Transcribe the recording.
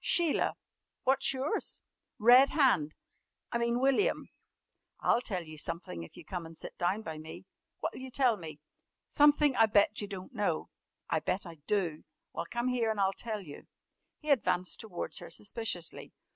"Sheila. What's yours?" "Red Hand I mean, William." "I'll tell you sumpthin' if you'll come an' sit down by me." "What'll you tell me?" "Sumpthin' I bet you don't know." "I bet I do." "Well, come here an' I'll tell you." He advanced towards her suspiciously.